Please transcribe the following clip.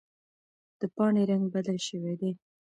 د پاڼې رنګ بدل شوی دی.